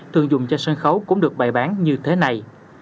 thường dùng cho sân khấu cũng được bày bán như thế này